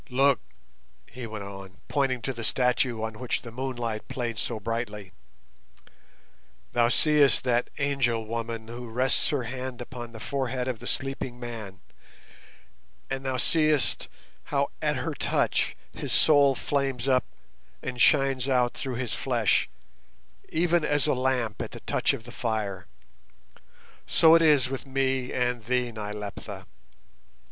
"Look!" he went on, pointing to the statue on which the moonlight played so brightly. "Thou seest that angel woman who rests her hand upon the forehead of the sleeping man, and thou seest how at her touch his soul flames up and shines out through his flesh, even as a lamp at the touch of the fire, so is it with me and thee, Nyleptha.